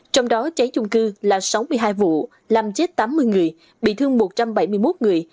trong đó cháy chung cư là sáu mươi hai vụ làm chết tám mươi người bị thương một trăm bảy mươi một người